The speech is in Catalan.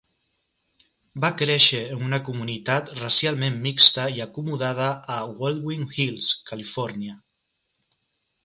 Va créixer en una comunitat racialment mixta i acomodada a Baldwin Hills, Califòrnia.